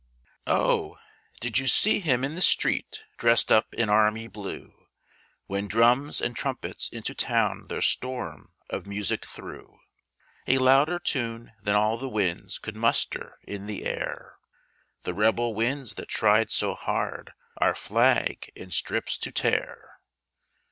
O, did you see liirn in the street' dressed up in army blue, When drums and trumpets into town their storm of music threw — A louder tune than all the winds could muster in the air, The Rebel winds that tried so hard our flag in strips to tear?